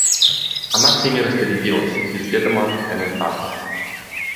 Она всем и распорядилась без ведома коменданта.